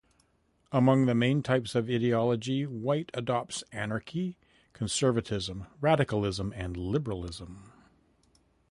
Among the main types of Ideology White adopts anarchy, conservatism, radicalism and liberalism.